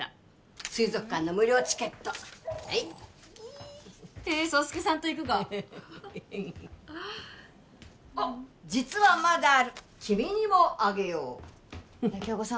水族館の無料チケットはいいっへえ爽介さんと行くがおっ実はまだある君にもあげよう響子さん